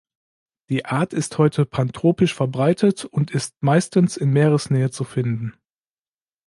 Die Art ist heute pantropisch verbreitet und ist meistens in Meeresnähe zu finden.